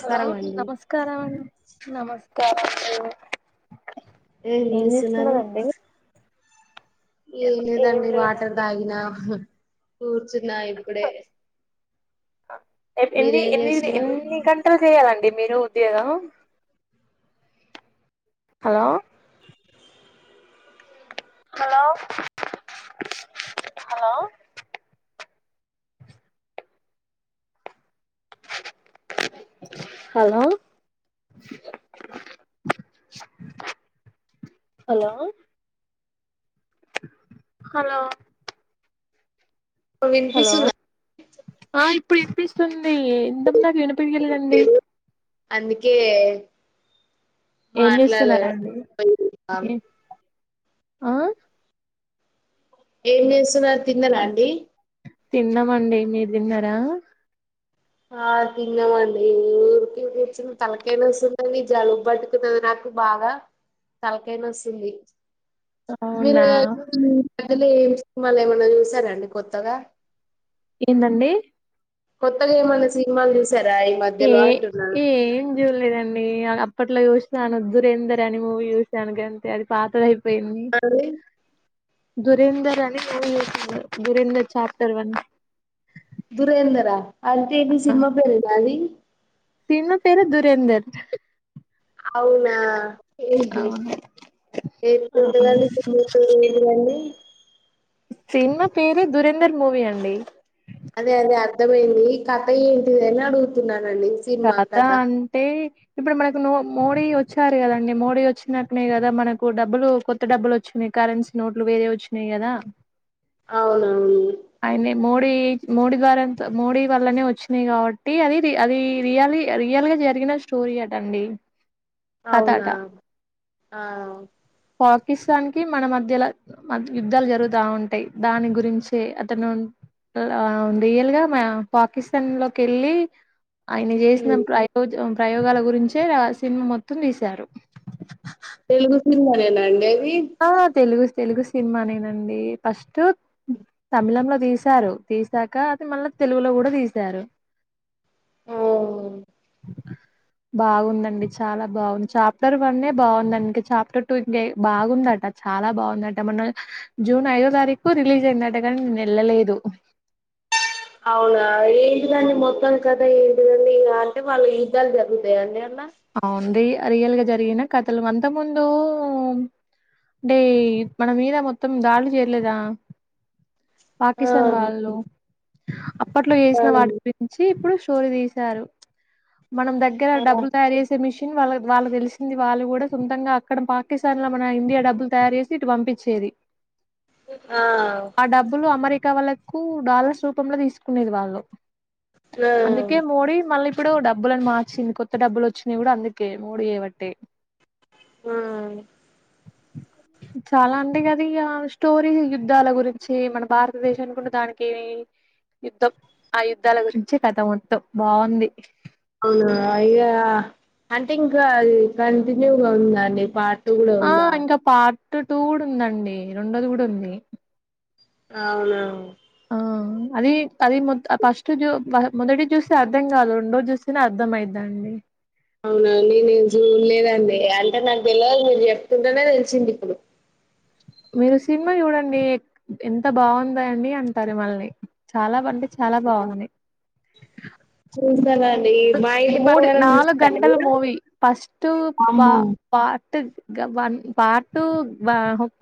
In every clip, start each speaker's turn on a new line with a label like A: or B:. A: Hello
B: అండి
A: నమస్కారమండి నమస్కారం ఏం చేస్తున్నరండి
B: ఏ లేదండి వాటర్ తాగినా కూర్చున్నా ఇప్పుడే
A: ఎన్ని
B: మీరేం
A: ఎన్ని
B: చేస్తున్నారు
A: ఎన్ని గంటలు చేయాలండి మీరు ఉద్యోగం hello hello hello hello hello hello hello
B: వినిపిస్తుందా
A: ఆ ఇప్పుడు ఇనిప్పిస్తుంది ఇంతకుముందు నాకు వినిపియ్యలేదండి
B: మీరు అందుకే
A: ఏం
B: మాట్లాడ
A: చేస్తున్నరండి ఆ
B: ఏం చేస్తున్నరు తిన్నరా అండి
A: తిన్నమండి మీరు తిన్నరా
B: ఆ తిన్నమండి ఊరికే కూర్చుని తలకాయ నొస్తుందండి జలుబు పట్టుకున్నది నాకు నాకు బాగా తలకాయ నొస్తుంది మీరు
A: అవునా
B: పెద్ది [unintelligible] సినిమాలు ఏమన్నా చూశారా అండి కొత్తగా
A: ఏందండి
B: కొత్తగా ఏమన్నా సినిమాలు చూసా
A: ఏ ఏం చూడలేదండి అప్పట్లో చూసాను దురేందర్ అని మూవీ చూశాను గంతే అది పాతగ అయి పోయింది
B: అండి
A: దురేందర్ దురేందర్ చాప్టర్ వన్
B: దురేందరా అంటే ఇది సినిమా పేరేనా అది
A: సినిమా పేరే దురేందర్
B: అవునా
A: అవును అవును
B: ఎట్లుంటదండి సినిమా పేరేంటిదండి
A: సినిమా పేరే దురేందర్ మూవీ అండి
B: అదే అదే అర్థమైంది కథ ఏంటిదని అడుగుతున్నా
A: కథ అంటే ఇప్పుడు మనకు నో మోడీ వచ్చారు కదండి మోడీ వచ్చినాకనే కదా మనకు డబ్బులు కొత్త డబ్బులు వచ్చినాయి కరెన్సీ నోట్లు వేరే వచ్చినాయి కదా
B: అవునవును
A: అయినే మోడీ మోడీ గారంత మోడీ వల్లనే వచ్చినాయి కాబట్టి అది అది రియాలి రియల్ గా జరిగిన స్టోరీ అటండి కథ అట
B: అవునా ఆ
A: పాకిస్తాన్ కి మన మధ్యలో మ యుద్ధాలు జరుగుతా ఉంటాయి దాని గురించి అతను ఆ రియల్ గా మ పాకిస్తాన్ లోకి వెళ్ళి ఆయన
B: ఉమ్
A: చేసిన ప్రయోజ ప్రయోగాల గురించే సినిమా మొత్తం తీశారు
B: తెలుగు సినిమా నేనా అండి అది
A: ఆ తెలుగు సి తెలుగు సినిమా నేనండి ఫస్ట్ తమిళంలో తీశారు తీసాక అది మళ్ళా తెలుగులో కూడా తీసారు
B: ఊ
A: [inaudible] బాగుందండి చాలా బాగుంది చాప్టర్ వన్నె బాగుందడి ఇంకా చాప్టర్ టూ ఇంక బాగుందట చాలా బాగుందట మొన్న జూన్ ఐదో తారీఖు రిలీజ్ అయిందట కానీ నేను వెళ్ళలేదు [inaudible]
B: అవునా ఏంటిదండి మొత్తం కథ ఏంటిదండి ఇగ అంటే వాళ్ళు యుద్ధాలు జరుగుతాయా అండి
A: అవ్వండి రియల్ గా జరిగిన కథలు అంత ముందు అంటే మన మీద మొత్తం దాడులు చేయలేదా పాకిస్తాన్
B: ఆహా!
A: వాళ్ళు అప్పట్లో చేసిన వాటి
B: ఆ
A: గురించి ఇప్పుడు స్టోరీ తీశారు మనం దగ్గర డబ్బులు తయారు మిషన్ వా వాళ్ళ తెలిసింది వాళ్ళు కూడా సొంతంగా అక్కడ పాకిస్తాన్ లో మన ఇండియా డబ్బులు తయారు చేసి ఇటు పంపి పిచేది
B: ఆ
A: ఆ డబ్బులు అమరి కా వాళ్లకు డాలర్స్ రూపంలో తీసుకునేది వాళ్ళు అందుకే మోడీ మళ్ళీ ఇప్పుడు డబ్బులులను మార్చింది కొత్త డబ్బులు వచ్చినయి కూడా అందుకే మోడీ ఏ బట్టే
B: ఆ
A: చాలా అంటే ఇగ అదిగా స్టోరీ యుద్ధాల గురించి మన భారతదేశానికి ఉన్న దానికి యుద్ధం ఆ యుద్ధాల గురించి కథ మొత్తం బాగుంది
B: అవునా ఇగా అంటే ఇంకాది కంటిన్యూగా ఉందండి
A: ఆ ఇంకా పార్ట్ టూ కూడా ఉందండి రెండోది కూడా ఉంది
B: అవును
A: ఆ అది అది మోత్ ఫస్ట్ చుస్ మొదటి చూస్తే అర్థం కాదు రెండోది చూస్తేనే అర్థం అయ్యిద్దండి
B: అవునండి నేను చూలేదండి అంటే నాకు తెల్వదు మీరు చెప్తుంటేనే తెలిసింది ఇప్పుడు
A: మీరు సినిమా చూడండి ఎంత బాగుందండి అంటారు మళ్ల్ని చాల [unintelligible] చాల బాగుంది
B: చూస్తానండి మా ఇంటి
A: మూడు
B: బంగారం
A: నాలుగు
B: చూస్తారండి
A: గంటలు
B: మీరు
A: మూవి ఫస్ట్
B: అమ్మో
A: [unintelligible] [unintelligible] వన్ పార్టు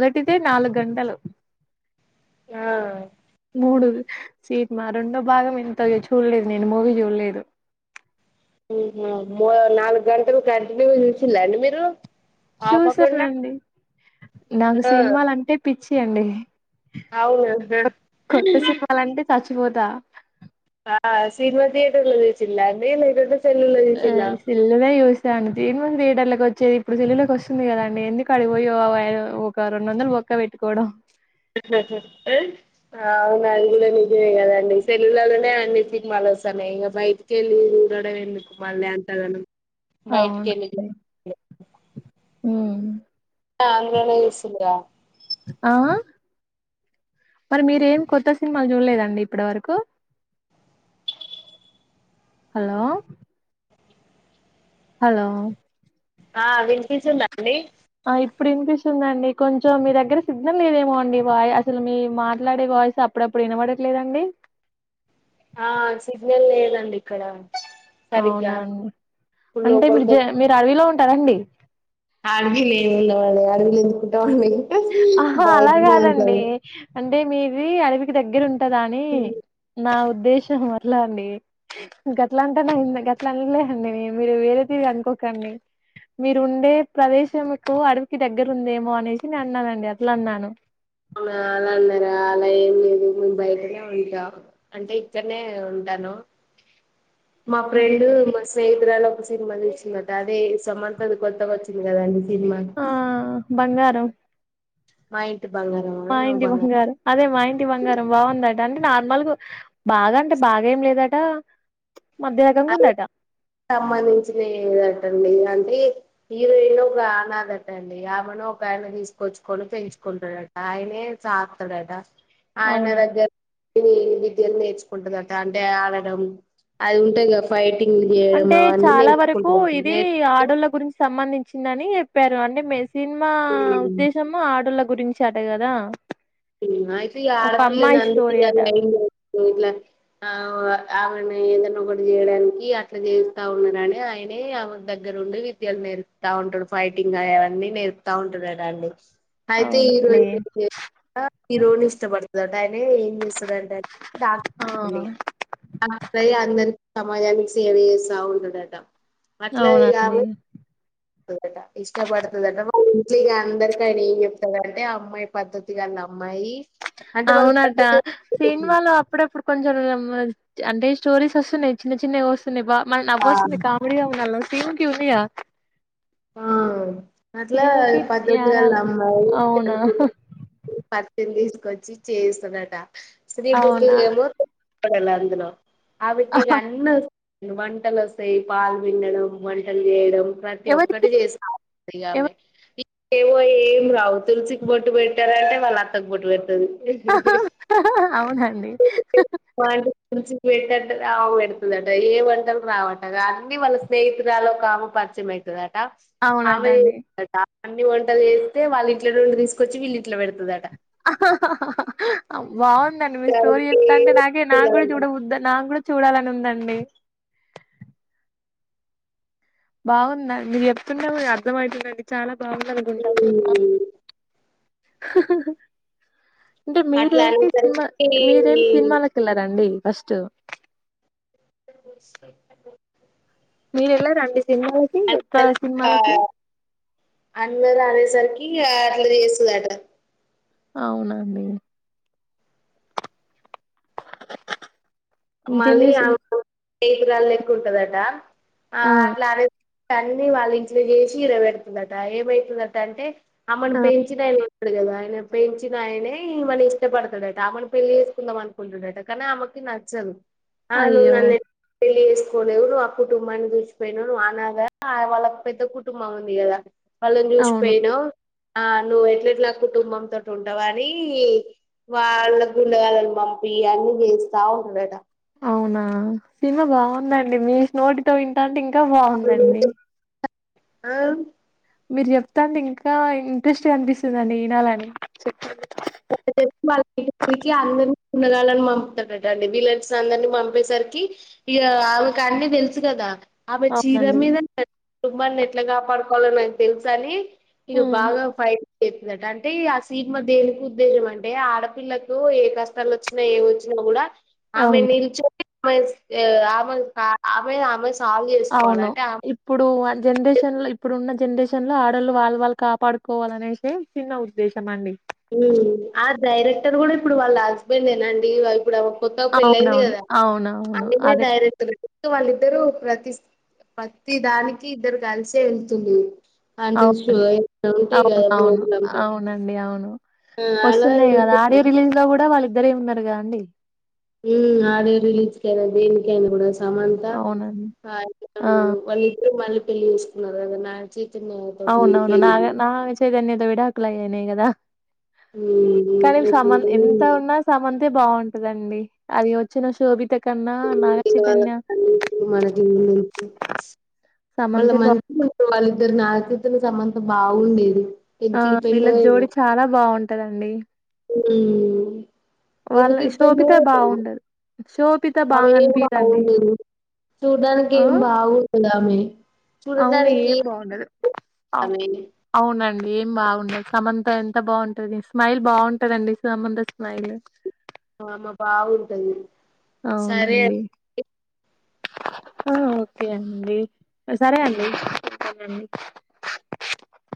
A: మొదటిదే నాలుగు గంటలు
B: ఆ
A: మూడు సీట్మా రెండో భాగం ఇంతగా చూడలేదు నేను మూవీ చూడలేదు
B: అబ్బా నాలుగు గంటలు కంటిన్యూ చూసిలాండి మీరు ఆపకుండా
A: చూసానండి నాకు సినిమాలు అంటే పిచ్చి అండి
B: అవున
A: చచ్చిపోత
B: ఆ సినిమా [unintelligible] తీయేటర్లో [unintelligible]
A: [unintelligible] వచ్చేది ఇప్పుడు సెల్ లులకి వస్తుంది కదాండి ఎందుకు అడికి పోయి ఒక రెండు వందలు బొక్క పెట్టుకోవడం
B: అవునా అది కూడ నిజమే కదండి సెల్లలలోనే అన్ని సినిమాలు అసలు ఇంక బయటికి వెళ్ళి చూడడం ఎందుకు మళ్ళీ అంతగనం
A: అవును
B: బయటికెళ్ళి చూ అందులోనే [unintelligible]
A: ఆ మరి మీరు ఏం కొత్త సినిమాలు చూడలేదండి ఇప్పటి వరకు హలో హలో
B: ఆ వినిపిస్తుందా ఆండి
A: ఆ ఇప్పుడు వినిపిస్తుందండి కొంచెం మీ దగ్గర సిగ్నల్ లేదేమో అండి బాయ్ అసలు మీ మాట్లాడే వా వాయిస్ అప్పుడప్పుడు వినబడట్లేదండి
B: ఆ సిగ్నల్ లేదండి ఇక్కడ
A: అవునా
B: సరిగ్గా
A: అండి
B: ఇప్పుడు
A: అంటే మీరు
B: లోపలికి వచ్చి
A: [unintelligible] మీరు అడవిలో ఉంటారండి
B: [unintelligible]
A: ఆహా అలా
B: బయటనే ఉంటాం
A: కాదండి అంటే మీది అడవికి దగ్గర ఉంటు [unintelligible] ఉద్దేశం అట్లా అండి గట్ల అంటే గట్ల అలే అండి మీరు వేరైతే అనుకో కండి మీరు ఉండే ప్రదేశంకు అడవికి దగ్గర ఉందేమో అనేసి నే అన్నానండి అట్ల అన్నాను
B: అవునా అలా అన్నార అలా ఏం లేదు మేము బయటనే ఉంట అంటే ఇక్కడనే ఉం తను మా ఫ్రెండు మ స్నేహితురాలు ఒక సినిమా తీసిందంట అదే సమంత కొత్త వచ్చింది కదాండి
A: ఆ బంగారం
B: [unintelligible]
A: మా ఇంటి బంగారం అదే మ బంగారం బాగుందట అంటే నార్మల్ బాగ అంటే బాగా ఏం లేదట మధ్యారకంగా వుందట
B: సంబంధించిన ఏదటండి అంటే హీరోయిన్ ఒక ఆనదట్టండి ఆమ ఒక ఆయన తీసుకొచ్చుకొని పెంచుకుంటాడట ఆయనే సాక్తడట ఆయన
A: అవునా
B: దగ్గర విద్యలు నేర్చుకుంటదట అంటే ఆడడం అది ఉంటది కదా ఫైటింగ్ చేయడం
A: అంటే
B: అవన్నీ
A: చాలా వరకు
B: నేర్చుకుంటదట
A: ఇది
B: నేర్చుకొని
A: ఆడోళ్ళ గురించి సంబంధించిందని చెప్పారు అంటే సినిమా ఉద్దేశము ఆడోలకు గురించి అట కదా
B: అయితే ఈ
A: ఒక
B: ఆడపిల్ల
A: అమ్మాయి
B: [unintelligible]
A: స్టోరీ అట
B: ఇట్లా ఆ ఆమెని ఏదన్న ఒకటి చేయడానికి అట్లా చేస్తా ఉన్నాడని ఆయనే దగ్గర ఉండి విద్యలు నేర్పుతా ఉంటాడు ఫైటింగ్ అ అవన్నీ నేర్పుతా ఉంటాడు అట అండి అయితే
A: అవునండి
B: హీరోయిన్ [inaudible] అట హీరోని ఇష్టపడుతదట అయి తే ఏం చేస్తది అంట డాక్
A: ఆ
B: అండి డాక్టర్ అయి అందరిని సమాజానికి సేవ చేస్త ఉంటాడట
A: అవునండి
B: ట ఇంకా ఇష్టపడుతదట వాలీంట్ల ఇగ అందరికి ఆయన ఏం చెప్తడు అంటే అమ్మాయి పద్ధ తి గల అమ్మాయి అంటే వాళ్ళ
A: అవునటా
B: పద్ధతి
A: సినిమాలో అప్పుడప్పుడు కొంచెం అంటే స్టోరీస్ వస్తున్నాయి చిన్న చిన్నవి వస్తున్నాయి బా మరి
B: ఆ
A: నవ్వుస్తుంది కామిడిగా ఉందల్ల సీముకి ఉందిగా
B: ఆ అట్లా
A: సీముకి
B: పద్దతి గల్ల
A: యారాలు
B: అమ్మాయి
A: అవునా
B: అనుకుం [inaudible] అతను తీసుకొచ్చి చేయిస్తడట శ్రీముఖి
A: అవునా
B: ఏమో [inaudible] కోడలు అందులో ఆమెకు ఇగా అన్నీ వస్తాయి, వంటలు వస్తాయి, పాలు విండడం, వంటలు చేయడం. ప్రతి
A: ఎవరికి
B: ఒక్కటి చేస్తా
A: ఎవ
B: ఇగామె ఏవో ఏం రావు తులిసికి బొట్టు పెట్ టంటే వాళ్ళ అత్తకు బొట్టు పెడుతది
A: అవునండి
B: తులిసికి పెట్టంటే ఆమెకు పెడుతదంట ఏ వంటలు రావంటగా అన్ని వాళ్ళ స్నేహితురాలు ఒక ఆమె ప పరిచయం అయిత ట ఆమె
A: అవునటండి
B: [inaudible] ట అన్ని వంటలు చేస్తే వాళ్ళ ఇంట్ల నుండి తీసుకొచ్చి వీళ్ళిం ట్లా పెడుతదట
A: అం బాగుందండి మీరు స్టోరీ
B: దానికి
A: చెప్తాంటే నాకే నాకూడా చూడబుద్ద నాకూడా చూడాలని ఉందండి బాగుందండి మీరు చెప్తుంటే కూడ అర్థమవుతుందండి చాలా బాగుందనుకుంట సినిమా
B: హ్మ్
A: అంటే
B: అట్లా
A: మీరేమి సినిమా
B: అనేసరికి
A: మీరేమి సినిమాలకు ఎళ్లరా అండి ఫస్ట్
B: [inaudible]
A: మీరు ఎల్లరా అండి సినిమాలకి ఎక్క సినిమాలకి
B: ఇగా అట్లా చేస్తదటా
A: అవునా అండి [inaudible] ఇంకేం
B: మళ్ళీ
A: చేసి
B: ఆమె [inaudible] లెక్క ఉంటందట ఆ అట్లా ఆమె అన్నీ వాళ్ళ ఇంట్లో చేసి ఈడ వెడుతదట ఏమైతదంట అంటే ఆమెను
A: ఆ
B: పెంచినాయన ఉంటాడు కదా ఆయన పెంచిన ఆయనే ఈమెని ఇష్టపడతడు అట ఆమెను పెళ్లి చేసుకుందాం అనుకుంటాడు అట కానీ ఆమెకి నచ్చదు ఆ నువ్వు
A: అయ్యో
B: నన్ను ఎం పెళ్లి చేసుకోలేవు నువ్వు అప్ కుటుంబాన్ని చూసిపోయినవు అనాద వాళ్ళకి పెద్ద కుటుంబం ఉంది కదా వాళ్ళను
A: అవును
B: చూసిపోయినవు ఆ నువ్వు ఎట్ల ఎట్లా కుటుంబం తోటి ఉంటవని వాళ్ళు గుండగాలను పంపి అన్నీ చేస్తావు.
A: అవునా సినిమా బాగుందండి. మీ నోటితో వింటంటే ఇంకా. ఇంకా బాగుందండి.
B: హలో.
A: మీరు చెప్తా ఉంటే ఇంకా ఇంట్రెస్ట్ గా అనిపిస్తుందండి ఈనాలని చెప్పు.
B: వాళ్ళ అందరికీ ఉండగాలని పంపుతున్నరండి వీలర్స్ అందరిని పంపేసరికి. కి ఇంకా ఆమెకు అన్ని తెలుసు కదా. ఆమె చీర
A: అవునండి
B: మీద కుటుంబాన్ని ఎట్లా కాపాడుకోవలో నాకు తెలుసు అని. ఇంకా
A: హ్మ్.
B: బాగా ఫైట్ చేస్తుందట అంటే ఇగ ఆ సీన్మా దేనికి. ఉద్దేశం అంటే ఆడపిల్లకూ ఏ కష్టలొచ్చినా ఏవొచ్చినా కూడా ఆమె
A: అవును
B: నిల్చొని. ఆహ్ ఇంకా ఆమె ఆమెకు స్.
A: అవును ఇప్పుడూ అన్. జన్రేషన్ లొ ఇప్పుడు ఉన్న జన్రేషన్ ల ఆడొళ్ళు వాళ్ళు వాళ్ కాపాడుకోవాలనేసి చిన్న ఉద్దేశం అండి.
B: ఆ డైరెక్టర్ కూడా ఇప్పుడు వాళ్ళా హస్బెండేనండీ ఇప్పుడు ఆమెకు కొత్తగ పెళ్ళయింది
A: అవునవును
B: కదా
A: అవునవును
B: అయనే
A: అదే
B: డైరెక్టర్. వాళ్ళిద్దరూ ప్రతి సి ప్రతి దానికి ఇద్దరు కలిసే ఎళ్తుంరు. అంటే షో
A: అవునండి అవునవును
B: [unintelligible]
A: అవునండి
B: ఆ అలా
A: వస్తున్నాయి కదా ఆడియో
B: వెళ్తున్నారు
A: రిలీజ్ లో కూడా వాళ్ళిద్దరే ఉన్నారు కదా అండి.
B: ఉమ్ ఆడియో రిలీజ్కేనై దేనికైన కూడా. సమంత
A: అవునండి
B: బాయ్
A: ఆ
B: ఫ్రెండ్ వాళ్ళి ఇద్దరు మళ్ళీ పెళ్లి చేస్కున్నరు కదా నాచి.
A: అవునవును నాగ నాగ చైతన్యతొ విడాకులు అయ్నయ్ కదా. కానీ సమంత
B: ఎట్లుంటది
A: ఎంత ఉన్నా సమంతె. బాగుంటదండి అది వచ్చిన శోభితక్.
B: ఉమ్ ఇంగ వాళ్లకు అన్ని చూసిన మనకెందుకు. మళ్ళ
A: సమంతే బా
B: మంచిగా వాళ్ళిద్దరు నాగ్ చైతన్య సమంత బావుండేది.
A: ఆహ్ వీళ్ళా జోడి చాలా బాగుంటదండి.
B: ఉమ్
A: వాళ్ళ
B: ఎందుకు విడిపోయిందో
A: శోభిత
B: ఏమో.
A: బాగుండదు శోభిత
B: అవి
A: బాగా
B: ఏం
A: అనిపియదండి
B: బాగుండదు చూడ్డానికి
A: ఆ
B: ఏం బాగుండదు ఆమే.
A: అవును ఏం బావుండదు అవ్
B: ఆమె
A: అవునదే. ఏం బాగుండదు సమంత ఎంత బావుంటది స్మైల్ బాగుంటదండి సమంత స్మైలు.
B: ఆమె బాగుంటది. సరే
A: అవునండి ఆహ్ ఓకే అండి. సరే అండి.